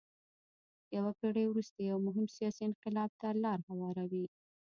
یوه پېړۍ وروسته یو مهم سیاسي انقلاب ته لار هواروي.